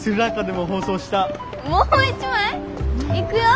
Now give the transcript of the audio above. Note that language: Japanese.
もう一枚？いくよ。